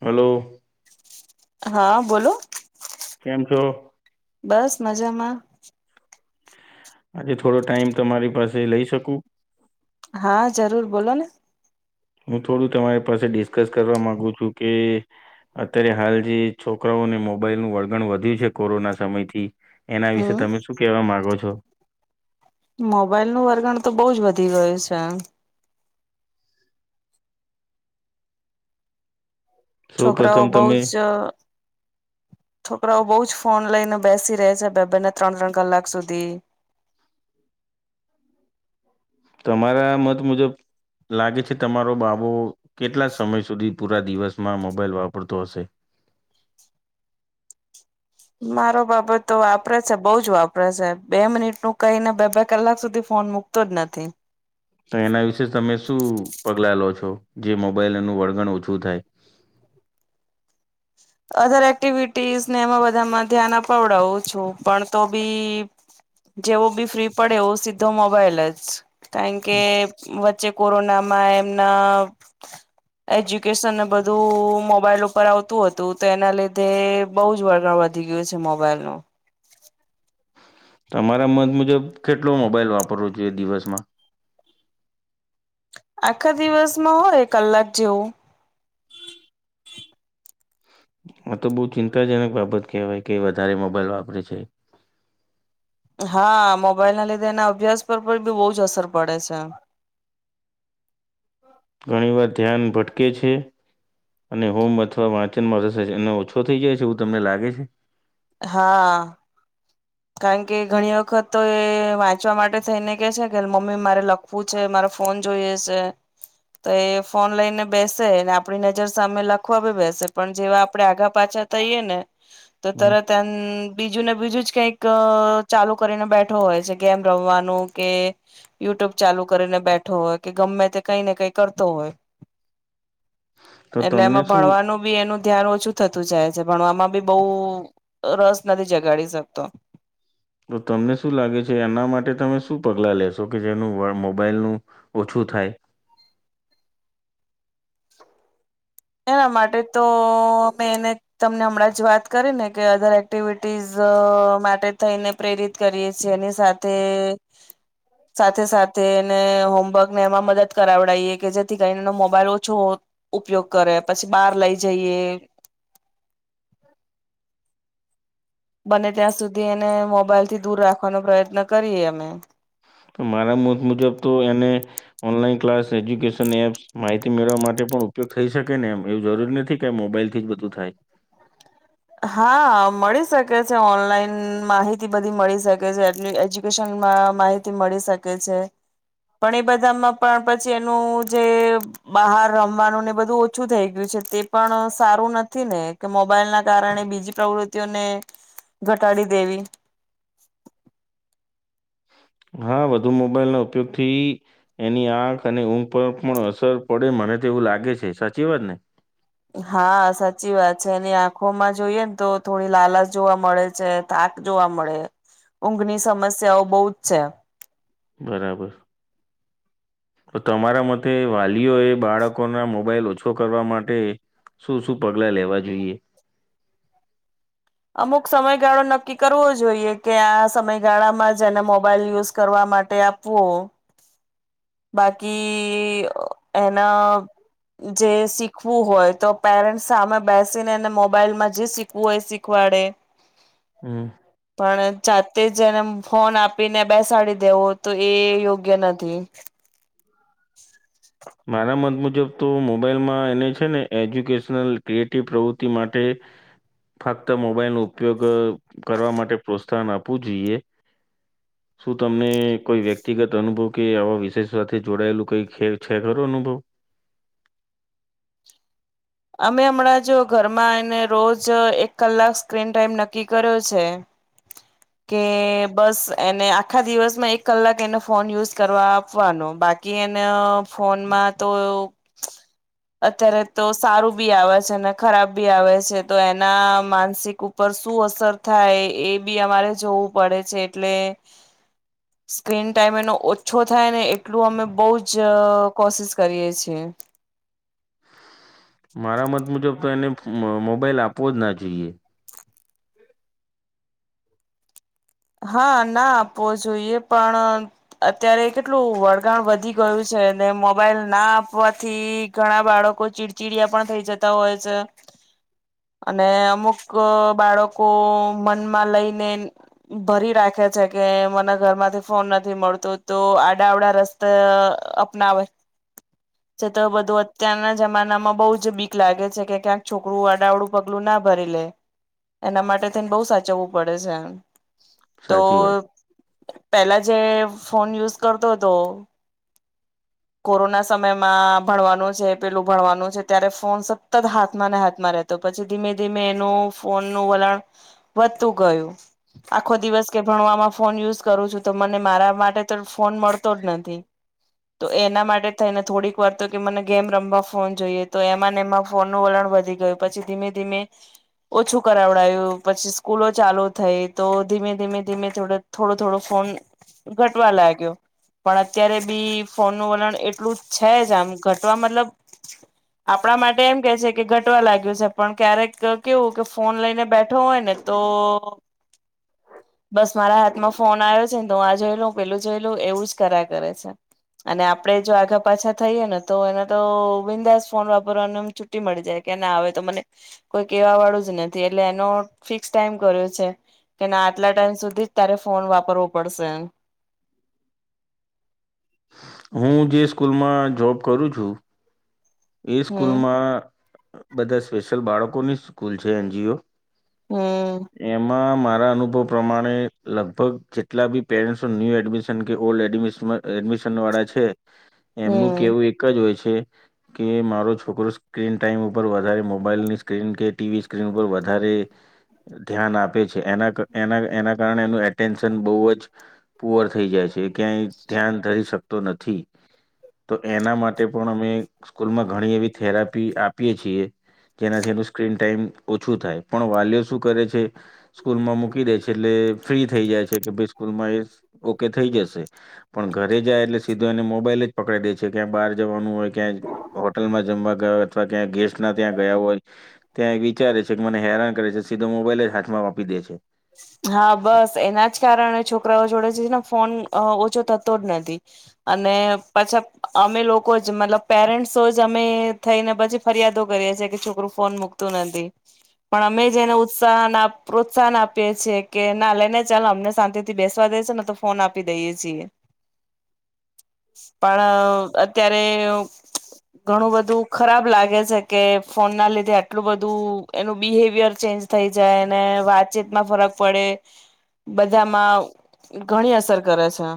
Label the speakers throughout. Speaker 1: Hello.
Speaker 2: હા, બોલો.
Speaker 1: કેમ છો?
Speaker 2: બસ મજામાં.
Speaker 1: આજે થોડો ટાઈમ, તમારી પાસે લઈ શકું?
Speaker 2: હા, જરૂર બોલોને
Speaker 1: હું થોડું તમારી પાસે ડિસ્કસ કરવા માગુ છું કે અત્યારે હાલ જે છોકરાઓને મોબાઈલનું વળગણ વધ્યું છે કોરોના સમયથી એના વિશે,
Speaker 2: હમ
Speaker 1: તમે શું કેવા માંગો છો? છો?
Speaker 2: મોબાઈલ નું વર્ગણ તો બોજ વધી ગયું છે.
Speaker 1: સૌ
Speaker 2: છોકરાઓ
Speaker 1: પ્રથમ
Speaker 2: બહુ
Speaker 1: તમે
Speaker 2: જ છોકરાઓ બહ જ ફોન લઈને બેસી રહે છે બે બેને ત્રણ ત્રણ કલાક સુધી.
Speaker 1: તમારા મત મુજબ લાગે છે તમારો બાબો કેટલા સમય સુધી પૂરા દિવસમાં મોબાઈલ વાપરતો હશે.
Speaker 2: મારો બાબત તો વાપરે છે બહ જ વાપરે છે બે મિનિટ નું કઈને બે બે કલાક સુધી ફોન મુકતો જ નથી.
Speaker 1: એના વિશે તમે શું પગલા લો છો? જે મોબાઈલનું વળગણ ઓછું થાય.
Speaker 2: અધર એક્ટિવિટીસ ને એમાં બધામાં ધ્યાન અપાવડાવું છું પણ તો બી જેવો બી ફ્રી પડે એવું સીધો મોબાઈલ જ. કારણ કે વચ્ચે કોરોના માં એમના એજ્યુકેશન ને બધું બધું મોબાઈલ ઉપર આવતું હતું. તું તો એના લીધે બહુ જ વળગા વધી ગયું છે મોબાઈલ નું.
Speaker 1: તમારા મત મુજબ કેટલો મોબાઈલ વાપરવો જોઈએ દિવસમાં?
Speaker 2: આખા દિવસમાં હોય કલાક જેવું. [inaudible]
Speaker 1: આ તો બહુ ચિંતાજનક બાબત કહેવાય કે વધારે મોબાઈલ વાપરે છે.
Speaker 2: હા મોબાઈલના લીધે એના અભ્યાસ પર પણ બી બહુ જ અસર પડે છે.
Speaker 1: ઘણી વાર ધ્યાન ભટકે છે, અને હોમ અથવા વાંચનમાં રસે અને ઓછો થઈ જાય છે એવું તમને લાગે છે?
Speaker 2: હા. કારણ કે ઘણી વખત તો એ વાંચવા માટે થઈને કે છે કે મમ્મી મારે લખવું છે મારો ફોન જોઈએ છે, તો એ ફોન લઈને બેસે ને આપણી નજર સામે લખવા ભી બેસે પણ જેવા આપડણે આગા પાછા થઈએ ને, તો
Speaker 1: હમ
Speaker 2: તરત એ બીજું ને બીજું જ કંઈક ચાલુ કરીને બેઠો હોય છે ગેમ રમવાનું કે, યુટ્યુબ ચાલુ કરીને બેઠો હોય કે ગમે તે કઈ ને કઈ કરતો હોય.
Speaker 1: તો
Speaker 2: એટલે
Speaker 1: તમને
Speaker 2: એમાં
Speaker 1: શું
Speaker 2: ભણવાનું બી એનું ધ્યાન ઓછું થતું. સ્કુલ જાય છે ભણવામાં બી બહુ રસ નથી જગાડી શકતો
Speaker 1: તો તમને શું લાગે છે એના માટે તમે શું પગલાં લેશો કે જેનું [inaudible] મોબાઈલનું ઓછું થાય
Speaker 2: એના માટે તો મેં એને તમને હમણાં જ વાત કરી ને કે અધર એક્ટિવિટીઝ માટે થઈને પ્રેરિત કરીએ છીએ એની સાથે સાથે સાથે એને હોમવર્ક ને એમાં મદદ કરાવડીએ કે જેથી કરીને એનો મોબાઈલ ઓછો ઉપયોગ કરે પછી બહાર લઈ જઈએ
Speaker 1: [inaudible]
Speaker 2: બને ત્યાં સુધી એને મોબાઈલ થી દૂર રાખ રાખવાનો પ્રયત્ન કરીએ અમે
Speaker 1: તો મારા મત મુજબ તો એને ઓનલાઈન ક્લાસ એજ્યુકેશન એપ્સ માહિતી મેળવવા માટે પણ ઉપયોગ થઈ શકે ને એમ એવું જરૂરી નથી કે મોબાઈલથી જ બધું થાય
Speaker 2: હા મળી શકે છે ઓનલાઈન માહિતી બધી મળી શકે છે એટલી એજ્યુકેશનમાં માહિતી મળી શકે છે પણ એ બધામાં પણ પછી એનું જે બહાર રમવાનું ને બધું ઓછું થઈ ગયું છે તે પણ સારું નથી ને કે મોબાઈલ ના કારણે બીજી પ્રવૃત્તિઓને ઘટાડી દેવી
Speaker 1: હા વધુ મોબાઈલના ઉપયોગથી એની આંખ અને ઊંઘ પર પણ અસર પડે મને તે એવું લાગે છે સાચી વાત ને
Speaker 2: હા સાચી વાત છે એની આંખોમાં જોઈએ ને તો થોડી લાલચ જોવા મળે છે થાક જોવા મળે ઊંઘની સમસ્યાઓ બહુ જ છે
Speaker 1: બરાબર તો તમારા મતે વાલીઓ એ બાળકોના મોબાઈલ ઓછો કરવા માટે શું શું પગલા લેવા જોઈએ
Speaker 2: અમુક સમયગાળો નક્કી કરવો જોઈએ કે આ સમયગાળામાં જેને મોબાઈલ યુઝ કરવા માટે આપવો બાકી એના જે શીખવું હોય તો પેરેન્ટ્સ સામે બેસીને એને મોબાઈલમાં જે શીખવું હોય એ શીખવાડે
Speaker 1: હમ
Speaker 2: પણ જાતે જ એને ફોન આપીને બેસાડી દેવો તો એ યોગ્ય નથી.
Speaker 1: મારા મત મુજબ તો મોબાઈલમાં એને છે ને એજ્યુકેશનલ ક્રિએટિવ પ્રવૃત્તિ માટે ફક્ત મોબાઈલનો ઉપયોગ અહ કરવા માટે પ્રોત્સાહન આપવું જોઈએ. શું તમને કોઈ વ્યક્તિગત અનુભવ કે આવા વિશેષ વાત તે જોડાયેલું કઈ ખે છે ખરું અનુભવ?
Speaker 2: અમે હમણાં જો ઘરમાં એ રોજ એક કલાક સ્ક્રીન ટાઈમ નક્કી કર્યો છે કે બસ એને આખા દિવસમાં એક કલાક એનો ફોન યુઝ કરવા આપવાનો બાકી એને ફોનમાં તો અત્યારે તો સારું બી આવે છે એને ખરાબ ભી આવે છે તો એના માનસિક ઉપર શું અસર થાય એ બી અમારે જોવું પડે છે એટલે સ્ક્રીન ટાઈમ એનો ઓછો થાય ને એ ટલું અમે બહુ જ જ કોશિસ કરીએ છીએ.
Speaker 1: મારા મત મુજબ તો એને મ-મોબાઈલ આપવો જ ના જોઈએ.
Speaker 2: હા, ના આપવો જોઈએ પણ અત્યારે કેટલું વળગાણ વધી ગયું છે મોબાઈલ ના આપવાથી ઘણા બાળકો ચીડચીડયા પણ થઈ જતા હોય છે. અને અમુક બાળકો મનમાં લઈને ભરી રાખે છે કે મ ના ઘર માંથી ફોન નથી મળતો તો આડા આવડા રસ્તા અહ અપનાવે જે તો બધું અત્યારના જમાના માં બઉ જ બી લાગે છે કે ક્યાંક છોકરું અડાઆવડું પગલું ના ભરી લે. એના માટે થઈન બહુ સાચવું પડે છેન તો
Speaker 1: સાચી વાત.
Speaker 2: પેલા જે ફોન યુઝ કરતો હતો. કોરોના સમયમાં. ભણવાનું છે પેલું ભણવાનું છે ત્યારે ફોન. સતત હાથ માને હાથ મા રહેતો. પછી ધીમે ધીમે એનું ફોનનું વલણ. વધતું ગયું આખો દિવસ કે ભણવામાં ફોન યુઝ. કરું છું તો મને મારા માટે તો ફોન મળતો જ નથી. તો એના માટે થઈને થોડીક વાર તો કે મને ગેમ રમવા ફોન જોઈએ તો એમાં એમાં ફોનનું વલણ વધી ગયું પછી ધીમે ધીમે ઓછું કરાવડાયું પછી સ્કૂલો ચાલુ થઈ તો ધીમે ધીમે ધીમે થોડ થોડું થોડું ફોન. ઘટવા લાગ્યો પણ અત્યારે બી. ફોનનું વલણ એટલું. છે જ આમ ઘટવા મતલબ આપણા માટે એમ કે છે કે ઘટ. લાગ્યું છે પણ ક્યારેક કેવું કે ફોન લઈને બેઠ. બેઠો હોય ને તો. બસ મારા હાથમાં ફોન આયો છે ને તો હું આ જોય લઉં, પેલું જોઈ લઉં એવું જ કર્યા કરે છે. અને આપડે જો આઘા પાછા થઈએે ને તો એને તો બિંદાસ ફોન વાપરનો એમ છુટ્ટી મળી જાય કે ના હવે તો મને કોઈ કેવા વાળું જ નથી. એટલે એનો ફિક્સ ટાઈમ કર્યો છે. કે ના આટલા ટાઈમ સુધી જ તારે ફો ફોન વાપરવો પડશે એમ.
Speaker 1: હું જે સ્કૂલમાં જોબ કરું છું એ
Speaker 2: હમ
Speaker 1: સ્કૂલમાં બધા સ્પેશિયલ બાળકોની સ્કૂલ છે એન જી ઓ.
Speaker 2: હમ
Speaker 1: એમાં મારા અનુભવ પ્રમાણે લગભગ જેટલા બી પેરેન્ટસ ન્યુ એડમિશન કે ઓલ્ડ એડમિશન વ એડમિશન વાળા છે એમનું
Speaker 2: હમ
Speaker 1: કેવું એક જ હોય છ કે કે મારો છોકરો સ્ક્રીન ટાઈમ ઉપર વધારે મોબાઈલની સ્ક્રીન કે ટીવી સ્ક્રીન ઉપર વધારે ધ્યાન આપે છે. એના ક એના-એના કારણે એનું એટેન્શન બહુ જ પુઅર થઈ જાય છે, એ ક્યાંય ધ્યાન ધરી શકતો નથી. તો એના માટે પણ અમે સ્કૂલમાં ઘણી એવી થેરાપી આપીએ છીએ, જેનાથી એનું સ્ક્રીન ટાઈમ ઓછું થાય, પણ વાલીઓ શું કરે છે સ્કૂલમાં મૂકી દે છે, એટલે ફ્રી થઈ જાય છે કે ભાઈ સ્કૂલમાં એ ઓકે થઈ જશે, પણ ઘરે જાય એટલે સીધો એને મોબાઈલ જ પકડાઈ દે છે, ક્યાંક બહાર જવાનું હોય ક્યાંય હોટલમાં જમવા ગયા હોય, અથવા ક્યાંય ગેસ્ટ ના ત્યાં ગયા હોય, ત્યાં એ વિચારે છે કે મને હેરાન કરે છે સીધો મોબાઈલ જ હાથમાં આપી દે છે.
Speaker 2: હા બસ એના જ કારણે છોકરાઓ જોડે છેને ફોન અ ઓછો થતો જ નથી અને પછા અમે લોકો જ મતલબ પેરેન્ટસો જ અમે થઈને પછી ફરિયાદો કરીએ છીએ કે છોકરું ફોન મુકતું નથી પણ અમે જ એને ઉત્સાહન આપ પ્રોત્સાહન આપ પીએ છે કે ના લઈને ચાલો અમને શાંતિ થી બેસવા દે છે ને તો ફોન આપી દઈએ છીએ. પણ અત્યારે ઘણું બધું ખરાબ લાગે છે. કે ફોન ના લીધે આટલું બધું એનું બિહેવિયર ચેન્જ થઈ જાય વાત ચેતમાં ફરક પડે. બધામાં ઘણી અસર કરે છે.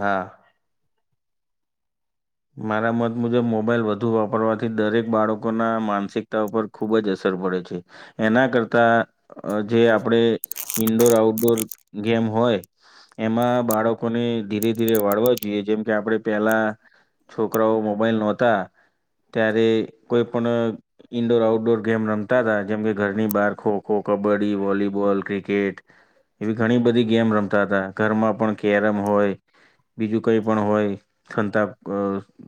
Speaker 1: હા. મારા મત મુજબ મોબાઈલ વધુ વાપરવાથી દરેક બાળકોના માનસિકતા ઉપર ખૂબ જ અસર પડે છે એના કરતાં જે આપણે ઈન્ડોર આઉટડોર ગેમ હોય એમાં બાળકોને ધીરે ધીરે વાળવા જોઈએ જેમકે આપણે પહેલા છોકરાઓ મોબાઈલ નહોતા ત્યારે કોઈ પણ ઈન્ડોર આઉટડોર ગેમ રમતા હતા જેમકે ઘરની બહાર ખો ખો કબડ્ડી વોલીબોલ ક્રિકેટ એવી ઘણી બધી ગેમ રમતા હતા ઘરમાં પણ કેરમ હોય બીજું કંઈ પણ હોય છનતા અ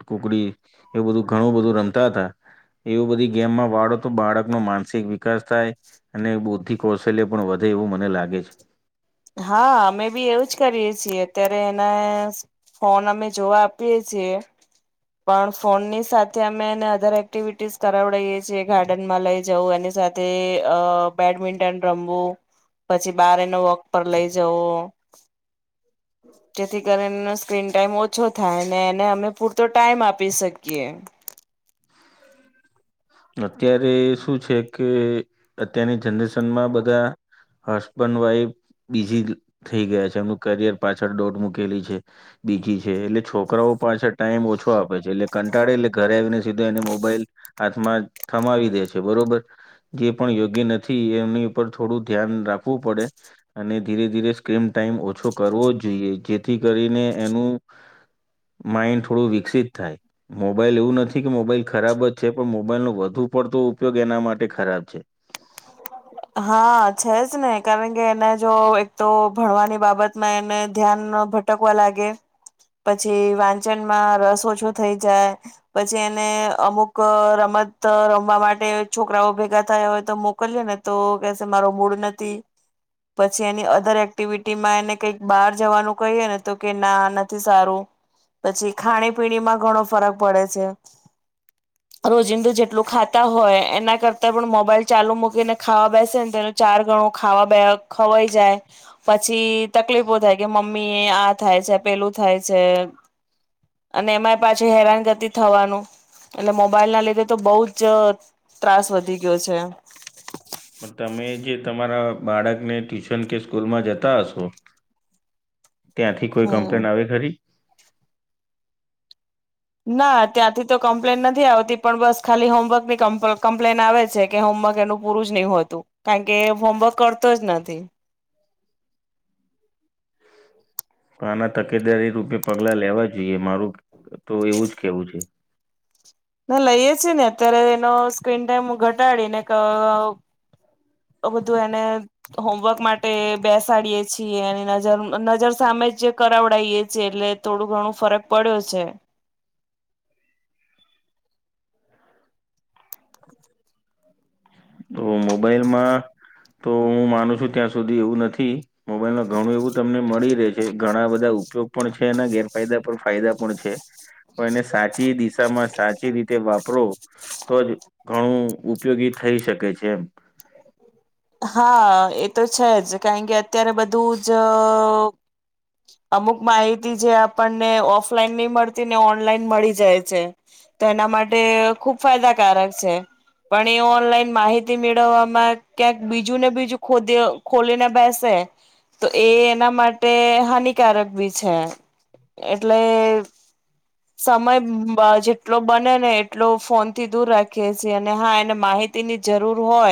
Speaker 1: કુકડી એું બધું ઘણું બધું રમતા હતા એવું બધી ગેમમાં વાળો તો બાળક ન માનસિક વિકાસ થાય અને બુદ્ધિક કૌશલ્ય પણ વધે એવું મને લાગે છે.
Speaker 2: હા અમે બી એવું જ કરીએ છીએ અત્યારે ફોન અમે જોવા આપીએ છીએ પણ ફોન ની સાથે અમેને અધર એક્ટિવિટીસ કરાવીડીએ છીએ ગાર્ડનમાં લઈ જવું એની સાથે અ બેડમિન્ટન રમવું પછી બાર એનો વોક પર લઈ જવ જેથી કરીનો સ્ક્રીન ટાઈમ ઓછો થાય ને એને અમે પૂરતો ટાઈમ આપી શકીએ.
Speaker 1: અત્યારે શું છે કે અત્યારની જનરેશનમાં બધા હસબન્ડ વાઈફ બીજી થઈ ગયા છે એમનું કરિયર પાછળ દોટ મૂકેલી છે બીજી છે એટલે છોકરાઓ પાછળ ટાઈમ ઓછો આપે છે એટલે કંટાળે એટલે ઘરે આવીને સીધા એને મોબાઈલ થમાવી દે છે બરોબર જે પણ યોગ્ય નથી એમની ઉપર થોડું ધ્યાન રાખવું પડે અને ધીરે ધીરે સ્ક્રીન ટાઈમ ઓછો કરવો જ જોઈએ જેથી કરીને એનું માઈન્ડ થોડું વિકસિત થાય મોબાઈલ એવું નથી કે મોબાઈલ ખરાબ જ છે. પણ મોબાઈલ નો વધુ પડતો ઉપયોગ એના માટે ખરાબ છે.
Speaker 2: હા છે જ ને કારણ કે એને જો એક તો ભણવાની બાબતમાં એને ધ્યાન ભટકવા લાગે પછી વાંચનમાં રસ ઓછો થઈ જાય પછી એને અમુક રમત રમવા માટે છોકરાઓ ભેગા થાય હોય તો મો મોને તો મારો મૂડ નથી પછી એની અધર એક્ટિવિટીમાં એને કઈક બહાર જવાનું કહીએ ને તો કે ના નથી સારું પછી ખાણી પીણીમાં ઘણો ફરક પડે છે રોજિંદું જેટલું ખાતા હોય એના કરતા પણ મોબાઈલ ચાલુ મક એને ખાવા બેસે ને તો એનું ચાર ગણું ખાવા બે ખવાઈ જાય. પછી તકલીફો થાય. કે મમ્મી આ થાય છે પેલું થાય છે અને એમાં પાછી હેરાનગતિ થવાનું. એટલે મોબાઈલ ના લીધે તો બઉુ જ ત્રાસ વધી ગયો છે.
Speaker 1: પણ તમે જે તમારા બાળકને ટ્યુશન કે સ્કૂલમાં જતા હશો. ત્યાંથી કોઈ
Speaker 2: હમ.
Speaker 1: કમ્પ્લેન આવે ખરી?
Speaker 2: ના ત્યાંથી તો કમ્પ્લેન નથી આવતી પણ બસ ખાલી હોમવર્કની કમ્પ્લેન આવે છે કે હોમવર્ક એનું પૂરું જ નહી હોતું કારણ કે હોમવર્ક કરતો જ નથી.
Speaker 1: આના તકેદારી રૂપે પગલા લેવા જોઈએ મારું તો એવું જ કેવું છે.
Speaker 2: ના લઈએ છીએ ને અત્યારે એનો સ્ક્રીન ટાઈમ ઘટાડી ને કા અ બધું એને હોમવર્ક માટે બેસાડીએ છીએ અને નજર નજર સામે જ કરાવડાવએ છીએ એટલે થોડું ઘણું ફરક પડ્યો છે. [inaudible]
Speaker 1: તો મોબાઈલમાં તો હું માનું છું ત્યાં સુધી એવું નથી મોબાઈલમાં ઘણું એવું તમને મળી રહે છે ઘણા બધા ઉપયોગ પણ છે અને ગેરફાયદા પર ફાયદા પણ છે પણ એને સાચી દિશામાં સાચી રીતે વાપરો તો જ ઘણું ઉપયોગી થઈ શકે. કે છે એમ.
Speaker 2: હા એ તો છે જ કારણ કે અત્યારે બધું જ અમુક માહિતી જે આપણને ઓફલાઈન નહી મળતી ને ઓનલાઈન મળી જાય છે તો એના માટે ખુબ ફાયદાકારક છે પણ એ ઓનલાઈન માહિતી થી મેળવવામાં ક્યાંક બીજું ને બીજું ખોદી ખોલીને બેસે. તો એ એના માટે હાનિકારક બી છે. એટલે સમય બ જેટલો બને ને એટલો ફોનથી દૂર રાખીએ છીએ અને હા એને માહિતીની જરૂર હોય